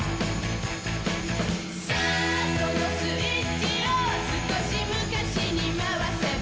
「さあそのスイッチを少し昔に廻わせば」